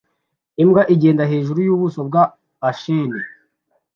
Imbwa igenda hejuru yubuso bwa ashene